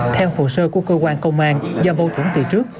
theo hồ sơ của cơ quan công an do bầu thủng từ trước